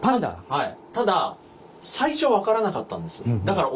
はい。